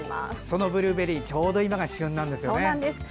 そのブルーベリーちょうど今が旬なんですよね。